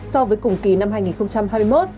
so với cùng kỳ năm hai nghìn hai mươi một